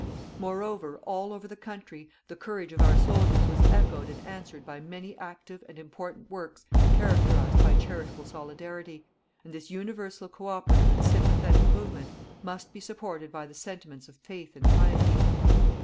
"Moreover, all over the country, the courage of our soldiers was echoed and answered by many active and important works characterized by charitable solidarity, and this universal co operative and sympathetic movement must be supported by the sentiments of faith and piety.